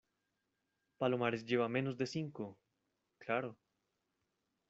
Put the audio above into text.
palomares lleva menos de cinco. claro .